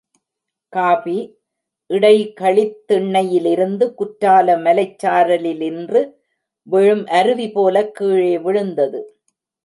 Coffee, இடைகழித் திண்ணை யிலிருந்து குற்றால மலைச்சாரலிலின்று விழும் அருவி போலக் கீழே விழுந்தது.